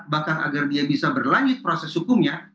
bahkan agar dia bisa berlanjut proses hukumnya